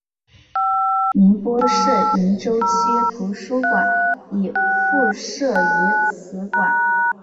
宁波市鄞州区图书馆亦附设于此馆。